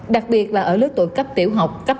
đặc biệt là ở lớp tuổi cấp tiểu học cấp hai